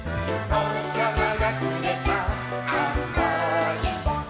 「おひさまがくれたあまいぷれぜんと！」